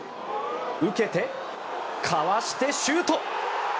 受けて、かわして、シュート！